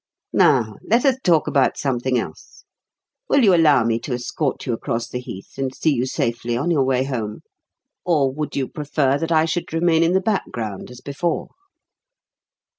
Now let us talk about something else. Will you allow me to escort you across the heath and see you safely on your way home? Or would you prefer that I should remain in the background as before?"